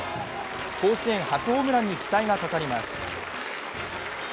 甲子園初ホームランに期待がかかります。